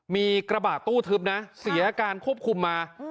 มีกระบะตู้ทึบนะเสียการควบคุมมา